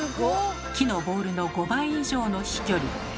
木のボールの５倍以上の飛距離。